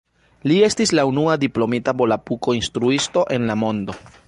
Li estis la unua diplomita volapuko-instruisto en la mondo.